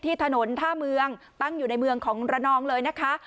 ถนนท่าเมืองตั้งอยู่ในเมืองของระนองเลยนะคะ